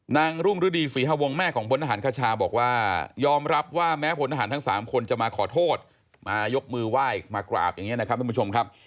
รุ่งฤดีศรีฮวงแม่ของพลทหารคชาบอกว่ายอมรับว่าแม้พลทหารทั้ง๓คนจะมาขอโทษมายกมือไหว้มากราบอย่างนี้นะครับท่านผู้ชมครับ